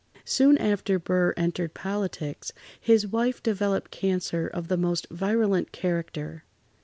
Soon after Burr entered politics, his wife developed cancer of the most virulent [Pg 65]character.